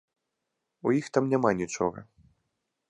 У іх там няма нічога.